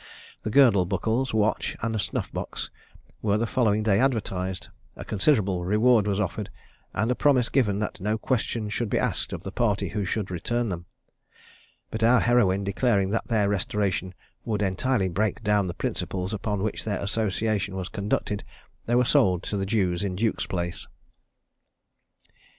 The girdle buckles, watch, and snuff box, were the following day advertised, a considerable reward was offered, and a promise given that no questions should be asked of the party who should return them; but our heroine declaring that their restoration would entirely break down the principles upon which their association was conducted, they were sold to the Jews in Duke's place.